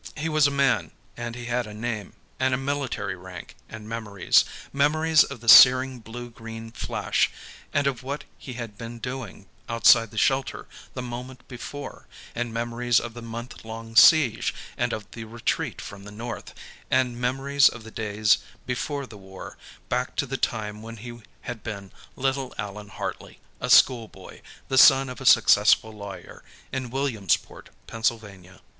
He was a man, and he had a name, and a military rank, and memories. Memories of the searing blue green flash, and of what he had been doing outside the shelter the moment before, and memories of the month long siege, and of the retreat from the north, and memories of the days before the War, back to the time when he had been little Allan Hartley, a schoolboy, the son of a successful lawyer, in Williamsport, Pennsylvania.